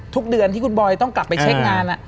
ทุกเดือนที่คุณบอยต้องกลับไปเช็คงาน